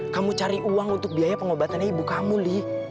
kamu cari uang untuk biaya pengobatannya ibu kamu nih